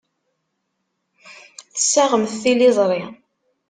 Tessaɣemt tiliẓri.